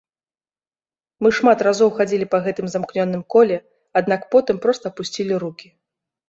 Мы шмат разоў хадзілі па гэтым замкнёным коле, аднак потым проста апусцілі рукі.